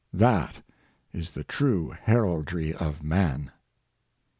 That is the true heraldry of man."